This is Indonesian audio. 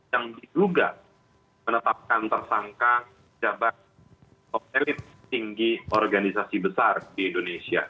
yang diduga menetapkan tersangka jabat elit tinggi organisasi besar di indonesia